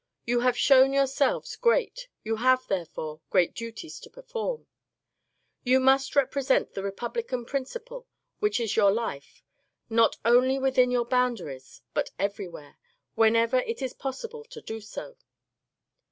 You have shown yourselves great : you have, therefore, great duties to perform. You must represent the republican principle, which is your life, not only within your boundaries but everywhere, when ever it is possible to do so.